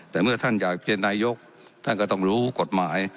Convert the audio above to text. แต่เมื่อท่านอยากเรียนนายกท่านก็ต้องรู้กฎหมาย